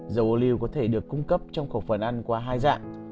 dầu ô lưu có thể được cung cấp trong khẩu phần ăn qua hai dạng